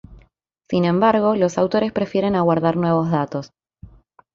Sin embargo, los autores prefieren aguardar nuevos datos.